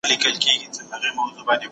ټولنه بايد د پوهې په لور لاړه سي.